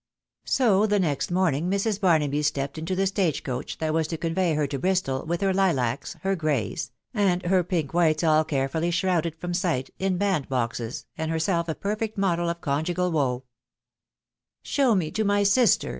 " So the next morning Mrs. Barnaby stepped into the stage coach that was to convey her to Bristol, with her lilacs, her greys, and her pink whites all carefully shrouded from sight, in band boxes, and herself a perfect moAeV ol ^xv^g^^^.. " Show me to my sister